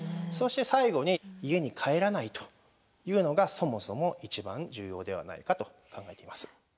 そして最後に「家に帰らない」というのがそもそも一番重要ではないかと考えています。